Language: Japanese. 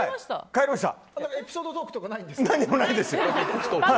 エピソードトークとかないんですか？